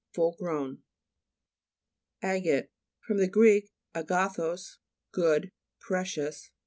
Full grown. A'GATE fr. gr. agathos, good, pre cious.